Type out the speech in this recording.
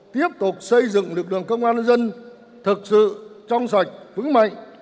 tiếp tục xây dựng lực lượng công an dân thật sự trong sạch vững mạnh